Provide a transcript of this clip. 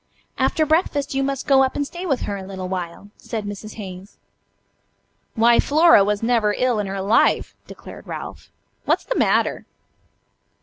"After breakfast you must go up and stay with her a little while," said Mrs. Hayes. "Why, Flora was never ill in her life," declared Ralph; "what's the matter?"